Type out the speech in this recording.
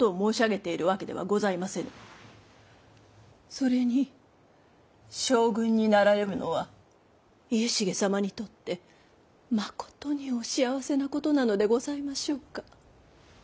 それに将軍になられるのは家重様にとってまことにお幸せなことなのでございましょうか？